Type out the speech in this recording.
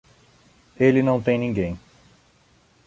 Ele não tem ninguém